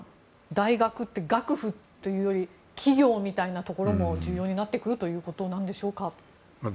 大学って、学府というより企業みたいなところも重要になってくるということなんでしょうか。